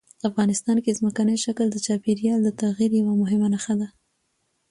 افغانستان کې ځمکنی شکل د چاپېریال د تغیر یوه مهمه نښه ده.